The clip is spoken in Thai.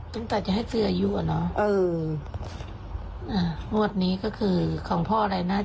ตั้งแต่จะให้ซื้ออายุอ่ะเนอะเอออ่างวดนี้ก็คือของพ่ออะไรนะ